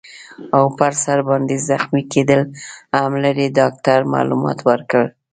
او پر سر باندي زخمي کیدل هم لري. ډاکټر معلومات ورکړل.